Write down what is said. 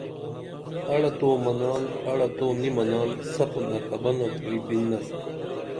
اڑہ تو منال اڑہ تو نی منال سپون اکبنہ کُری بِنپ